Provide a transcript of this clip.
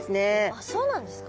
あっそうなんですか。